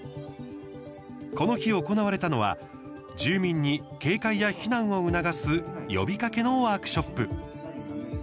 この日、行われたのは住民に警戒や避難を促す「呼びかけ」のワークショップ。